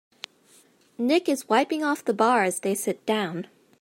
Nick is wiping off the bar as they sit down.